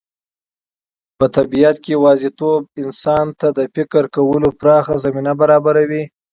په طبیعت کې یوازېتوب انسان ته د فکر کولو پراخه زمینه برابروي.